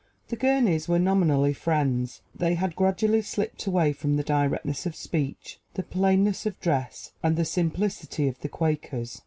The Gurneys were nominally Friends, but they had gradually slipped away from the directness of speech, the plainness of dress, and the simplicity of the Quakers.